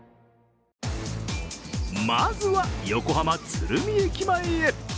まずは、横浜・鶴見駅前へ。